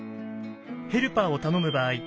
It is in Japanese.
ヘルパーを頼む場合